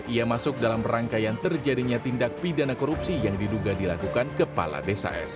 ia masuk dalam rangkaian terjadinya tindak pidana korupsi yang diduga dilakukan kepala desa s